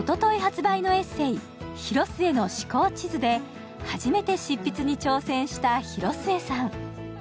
おととい発売のエッセー「ヒロスエの思考地図」で初めて執筆に挑戦した広末さん。